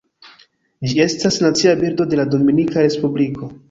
Ĝi estas Nacia birdo de la Dominika Respubliko.